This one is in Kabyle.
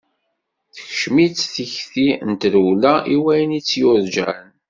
Tekcem-itt tikti n trewla i wayen i tt-yurǧan.